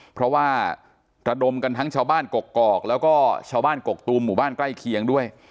เพราะว่าระดมกันทั้งชาวบ้านกกอกแล้วก็ชาวบ้านกกตูมหมู่บ้านใกล้เคียงด้วย